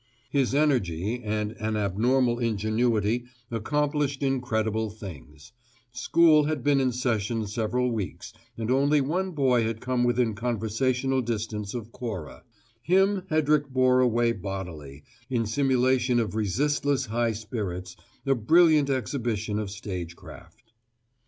His energy and an abnormal ingenuity accomplished incredible things: school had been in session several weeks and only one boy had come within conversational distance of Cora; him Hedrick bore away bodily, in simulation of resistless high spirits, a brilliant exhibition of stagecraft.